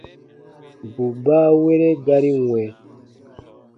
Bù baawere gari wɛ̃.